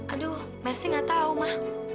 aduh mercy gak tau ma